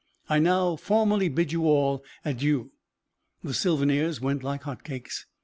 I now formally bid you all adieu." The souvenirs went like hot cakes.